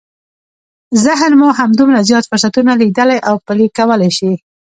ذهن مو همدومره زیات فرصتونه ليدلی او پلي کولای شي.